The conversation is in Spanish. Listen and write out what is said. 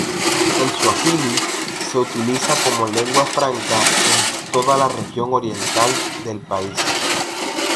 El suajili se utiliza como lengua franca en toda la región oriental del país.